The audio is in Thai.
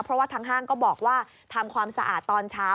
เพราะว่าทางห้างก็บอกว่าทำความสะอาดตอนเช้า